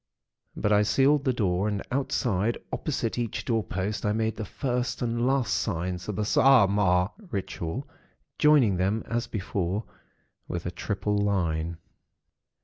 But I sealed the door, and outside, opposite each door post, I made the First and Last Signs of the Saaamaaa Ritual, joining them, as before, with a triple line.